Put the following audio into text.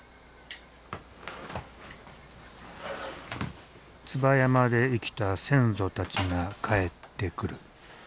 椿山で生きた先祖たちが帰ってくる。